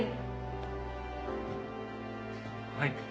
はい。